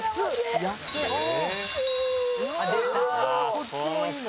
こっちもいいな。